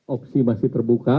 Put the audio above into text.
oksi masih terbuka